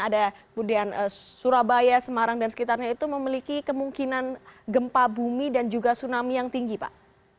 ada kemudian surabaya semarang dan sekitarnya itu memiliki kemungkinan gempa bumi dan juga tsunami yang tinggi pak